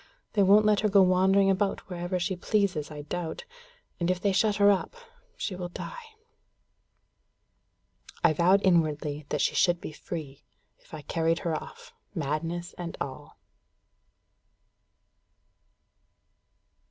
They won't let her go wandering about wherever she pleases, I doubt. And if they shut her up, she will die." I vowed inwardly that she should be free, if I carried her off, madness and all.